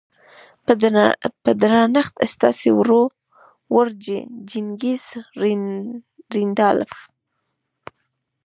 په درنښت ستاسې ورور جيننګز رينډالف.